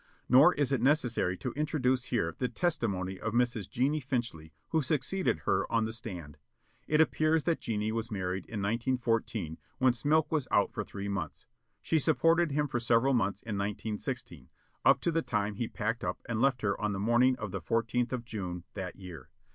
Nor is it necessary to introduce here the testimony of Mrs. Jennie Finchley, who succeeded her on the stand. It appears that Jennie was married in 1914 when Smilk was out for three months. She supported him for several months in 1916, up to the time he packed up and left her on the morning of the fourteenth of June, that year.